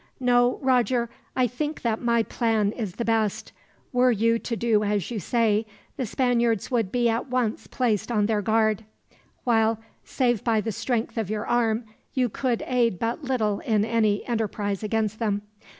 "No, Roger, I think that my plan is the best. Were you to do as you say, the Spaniards would be at once placed on their guard; while, save by the strength of your arm, you could aid but little in any enterprise against them.